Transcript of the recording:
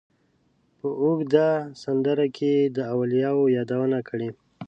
په اوږده سندره کې یې د اولیاوو یادونه کړې.